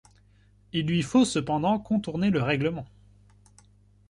Il lui faut cependant contourner le règlement.